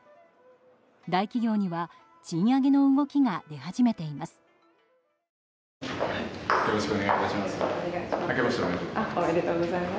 大企業には賃上げの動きが出始めています。